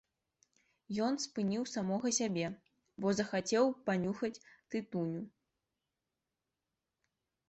Ён спыніў самога сябе, бо захацеў панюхаць тытуню.